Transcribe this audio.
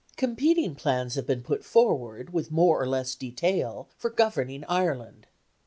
Competing plans have been put forward, with more or less detail, for governing Ireland.